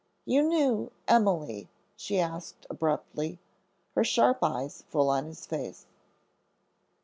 "You knew Emily?" she asked abruptly, her sharp eyes full on his face.